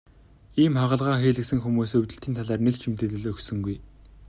Ийм хагалгаа хийлгэсэн хүмүүс өвдөлтийн талаар нэг ч мэдээлэл өгсөнгүй.